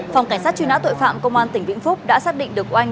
phòng cảnh sát truy nã tội phạm công an tỉnh vĩnh phúc đã xác định được anh